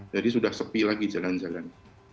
jadi sudah sepi lagi jalan jalan